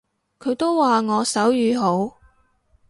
佢都話我手語好